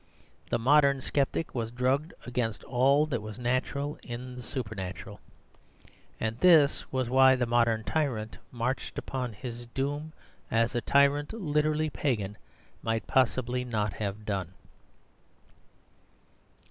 The modern sceptic was drugged against all that was natural in the supernatural. And this was why the modern tyrant marched upon his doom, as a tyrant literally pagan might possibly not have done.